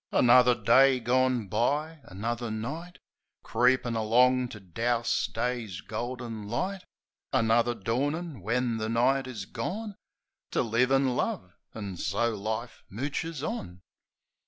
Another day gone by; another night Creepin' along to douse Day's golden light; Another dawnin', when the night is gone, To live an' love — an' so life mooches on.